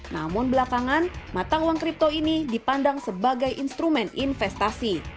namun belakangan mata uang kripto ini dipandang sebagai instrumen investasi